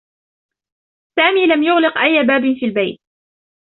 سامي لم يغلق أي باب في البيت.